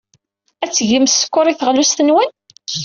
Ad tgem sskeṛ i teɣlust-nwen?